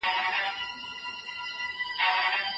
تاسي د مکتوبونو سرلیکونه سم ولیکئ.